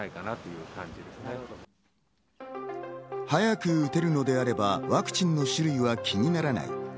早く打てるのであればワクチンの種類は気にならない。